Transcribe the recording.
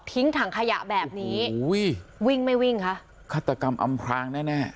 ทิ้งถังขยะแบบนี้วิ่งไม่วิ่งคะฆาตกรรมอำคลางแน่